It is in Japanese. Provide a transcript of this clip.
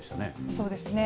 そうですね。